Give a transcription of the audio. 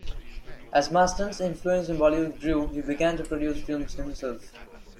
As Mastan's influence in Bollywood grew, he began to produce films himself.